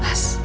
kasih tau gak